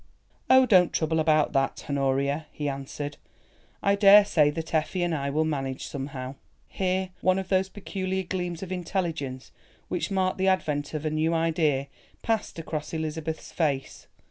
"Oh, don't trouble about that, Honoria," he answered. "I daresay that Effie and I will manage somehow." Here one of those peculiar gleams of intelligence which marked the advent of a new idea passed across Elizabeth's face.